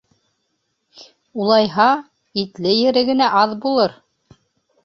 — Улайһа, итле ере генә аҙ булыр.